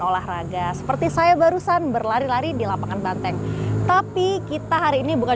olahraga seperti saya barusan berlari lari di lapangan banteng tapi kita hari ini bukan